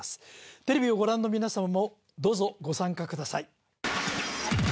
テレビをご覧の皆様もどうぞご参加ください